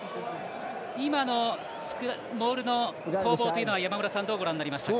今のモールの攻防というのは山村さんどうご覧になりましたか？